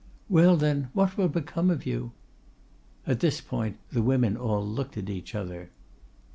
'—'Well, then, what will become of you?'" At this point the women all looked at each other.